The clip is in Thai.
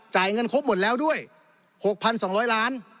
จ่ายเงินครบหมดแล้วด้วยหกพันสองร้อยล้าน